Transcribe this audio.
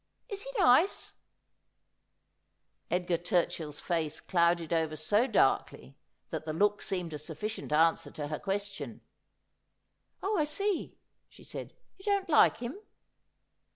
Is he nice ?' Edgar Turchill's face clouded over so darkly that the look seemed a sufficient answer to her question. ' Oh, I see,' she said. ' You don't like him.'